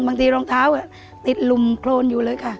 รองเท้าติดลุมโครนอยู่เลยค่ะ